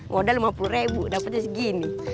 modal lima puluh ribu dapatnya segini